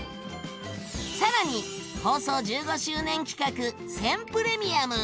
さらに放送１５周年企画「選プレミアム」！